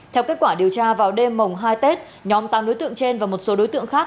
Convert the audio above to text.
theo kết quả điều tra vào đêm mồng hai tết nhóm tám đối tượng trên và một số đối tượng khác